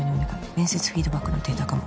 「面接フィードバックのデータ化も。